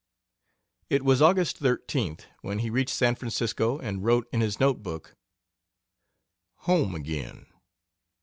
It was August 13th when he reached San Francisco and wrote in his note book, "Home again.